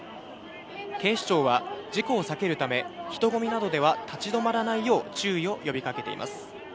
警視庁は事故を避けるため、人混みなどでは立ち止まらないよう注意を呼びかけています。